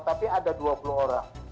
tapi ada dua puluh orang